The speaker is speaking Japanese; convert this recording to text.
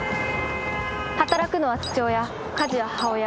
働くのは父親家事は母親。